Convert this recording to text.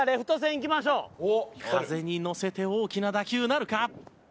風に乗せて大きな打球なるか？